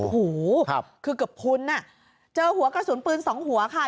โอ้โหคือเกือบพุนอ่ะเจอหัวกระสุนปืนสองหัวค่ะ